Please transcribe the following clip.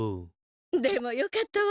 でもよかったわ。